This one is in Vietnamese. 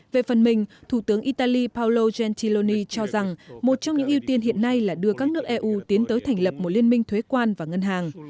về phần mình thủ tướng italy paolo jentiloni cho rằng một trong những ưu tiên hiện nay là đưa các nước eu tiến tới thành lập một liên minh thuế quan và ngân hàng